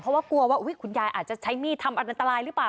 เพราะว่ากลัวว่าคุณยายอาจจะใช้มีดทำอันอันตรายหรือเปล่า